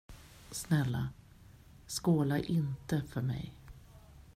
Snälla, skåla inte för mig.